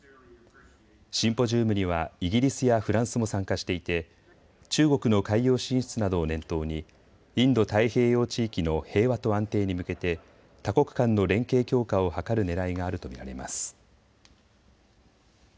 シンポジウムにはイギリスやフランスも参加していて中国の海洋進出などを念頭にインド太平洋地域の平和と安定に向けて多国間の連携強化を図るねらいがあると見られます。